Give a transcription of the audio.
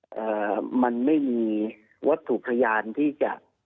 เอ่อมันไม่มีวัตถุพยานที่จะ